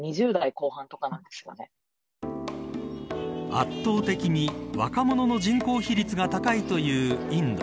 圧倒的に若者の人口比率が高いというインド。